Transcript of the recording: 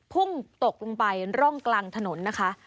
พุ่งตกลงไปร่องกลางถนนนะคะ